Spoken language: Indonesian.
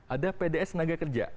ada pds tenaga kerja